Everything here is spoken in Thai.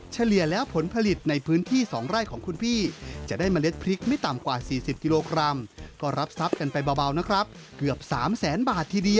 เฉลี่ยแล้วผลผลิตในพื้นที่๒ไร่ของคุณพี่